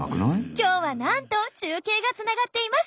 今日はなんと中継がつながっています！